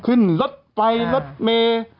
ขึ้นรถไฟรถเมย์